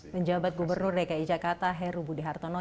menjabat gubernur dki jakarta heru budi hartono